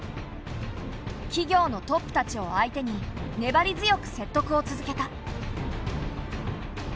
企業のトップたちを相手にねばり強く説得を続けた。